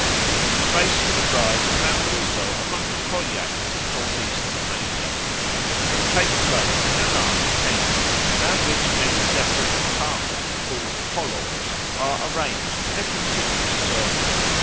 The race for the bride is found also among the Koryaks of North eastern Asia. It takes place in a large tent, round which many separate compartments called pologs are arranged in a continuous circle.